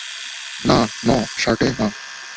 না, ন, শার্টে না!